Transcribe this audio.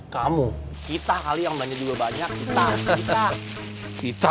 kamu kita kali yang banyak juga banyak kita juga